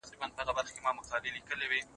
پوهان به خپلې علمي تجربې بیا تکرار نه کړي.